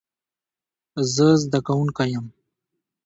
زه زده کوونکی یم